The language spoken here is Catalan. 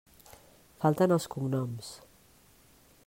Falten els cognoms.